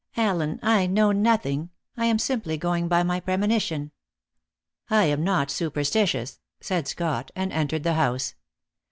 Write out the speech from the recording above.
"Allen, I know nothing; I am going simply by my premonition." "I am not superstitious," said Scott, and entered the house.